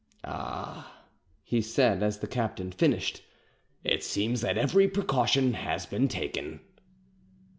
"Ah," he said, as the captain finished, "it seems that every precaution has been taken."